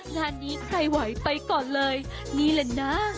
งานนี้ใครไหวไปก่อนเลยนี่แหละนะ